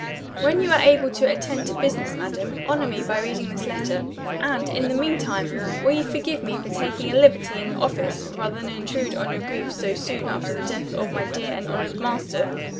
"When you are able to attend to business, madam, honor me by reading this letter. And, in the meantime, will you forgive me for taking a liberty in the office, rather than intrude on your grief so soon after the death of my dear and honored master?"